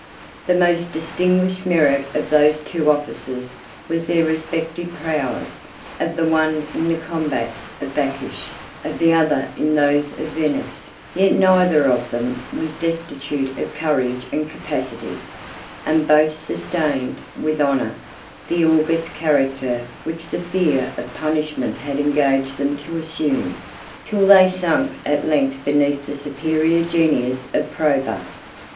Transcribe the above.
The most distinguished merit of those two officers was their respective prowess, of the one in the combats of Bacchus, of the other in those of Venus, 53 yet neither of them was destitute of courage and capacity, and both sustained, with honor, the august character which the fear of punishment had engaged them to assume, till they sunk at length beneath the superior genius of Probus.